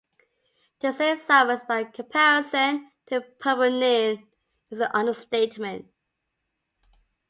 To say it suffers by comparison to "Purple Noon" is an understatement.